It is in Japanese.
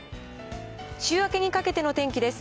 週明けにかけての天気です。